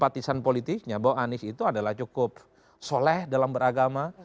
dan politiknya bahwa anies itu adalah cukup soleh dalam beragama